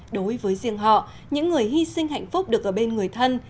đối với riêng họ những người hy sinh hạnh phúc được ở bên người thân